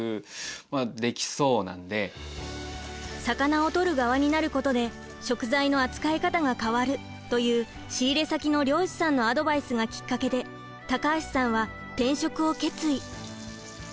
「魚を取る側になることで食材の扱い方が変わる」という仕入れ先の漁師さんのアドバイスがきっかけで高橋さんは転職を決意。